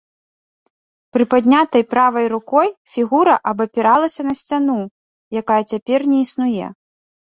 Прыпаднятай правай рукой фігура абапіралася на сцяну, якая цяпер не існуе.